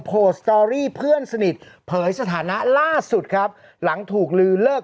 สตอรี่เพื่อนสนิทเผยสถานะล่าสุดครับหลังถูกลือเลิก